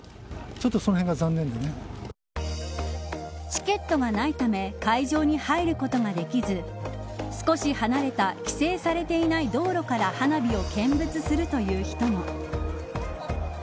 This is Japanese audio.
チケットがないため会場に入ることができず少し離れた規制されていない道路から花火を見物するという人も。